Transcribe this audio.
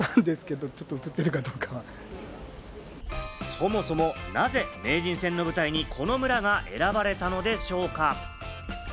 そもそもなぜ、名人戦の舞台にこの村が選ばれたのでしょうか？